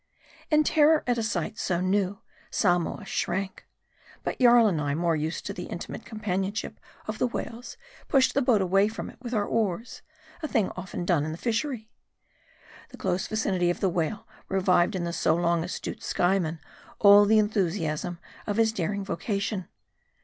In terror at a sight so new, Samoa shrank. But Jarl and I, more used to the intimate companionship of the whales, pushed the boat away from it with our oars : a thing often done in the fishery. The close vicinity of the whale revived in the so long astute Skyeman all the enthusiasm of his daring vocation.